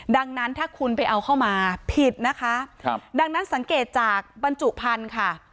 ดังนั้นถ้าคุณไปเอาเข้ามาผิดนะคะครับดังนั้นสังเกตจากบรรจุพันธุ์ค่ะ